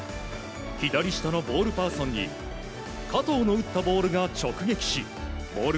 左下のボールパーソンに加藤の打ったボールが直撃しボール